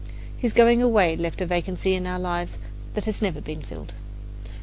His going away left a vacancy in our lives that has never been filled.